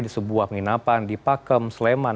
di sebuah penginapan di pakem sleman